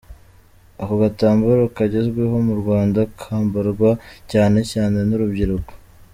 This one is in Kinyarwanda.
Ako gatambaro kagezweho mu Rwanda, kambarwa cyane cyane n’urubyiruko.